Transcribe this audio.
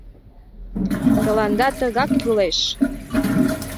Тыланда тыгак кӱлеш!..